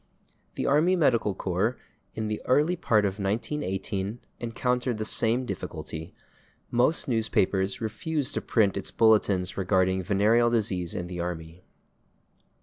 The Army Medical Corps, in the early part of 1918, encountered the same difficulty: most newspapers refused to print its bulletins regarding venereal disease in the army.